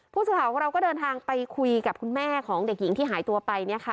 ผู้สื่อข่าวของเราก็เดินทางไปคุยกับคุณแม่ของเด็กหญิงที่หายตัวไป